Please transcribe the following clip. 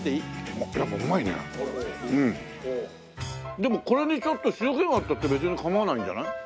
でもこれにちょっと塩気があったって別に構わないんじゃない？